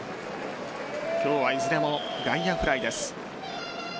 今日はいずれも外野フライです。